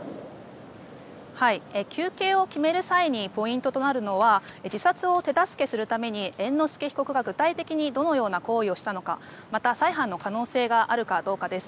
求刑を決める際にポイントとなるのは自殺を手助けするために猿之助被告が具体的にどのような行為をしたのかまた再犯の可能性があるかどうかです。